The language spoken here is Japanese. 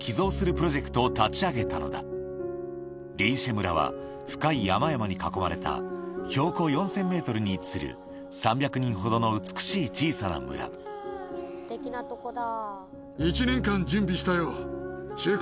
村は深い山々に囲まれた標高４０００ｍに位置する３００人ほどの美しい小さな村すてきなとこだ。